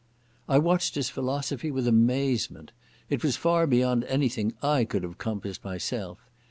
I watched his philosophy with amazement. It was far beyond anything I could have compassed myself.